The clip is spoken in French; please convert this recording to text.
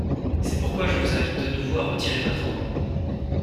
C’est pourquoi je vous invite de nouveau à retirer votre amendement.